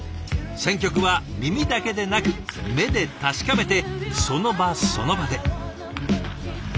選曲は耳だけでなく目で確かめてその場その場で。